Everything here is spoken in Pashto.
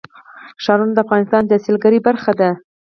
ښارونه د افغانستان د سیلګرۍ برخه ده.